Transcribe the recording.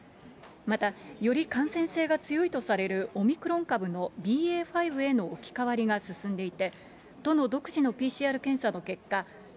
また、より感染性が強いとされるオミクロン株のＢＡ．５への置き換わりが進んでいて、都の独自のＰＣＲ検査の結果、ＢＡ．